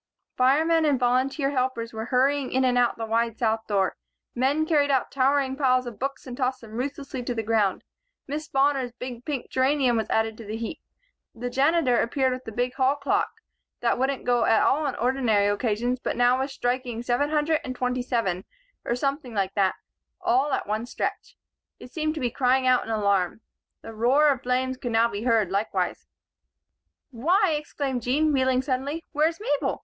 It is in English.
Firemen and volunteer helpers were, hurrying in and out the wide south door. Men carried out towering piles of books and tossed them ruthlessly to the ground. Miss Bonner's big pink geranium was added to the heap. The Janitor appeared with the big hall clock, that wouldn't go at all on ordinary occasions but was now striking seven hundred and twenty seven or something like that all at one stretch. It seemed to be crying out in alarm. The roar of flames could now be heard, likewise. "Why!" exclaimed Jean, wheeling suddenly. "Where's Mabel?